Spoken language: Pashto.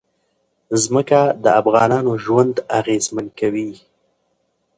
ځمکه د افغانانو ژوند اغېزمن کوي.